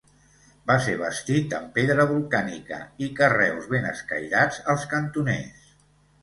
Va ser bastit amb pedra volcànica i carreus ben escairats als cantoners.